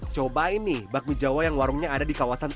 cobain nih bakmi jawa yang warungnya ada di kawasan